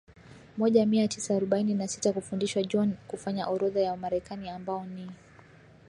moja mia tisa arobaini na sita kufundishwa John kufanya orodha ya Wamarekani ambao ni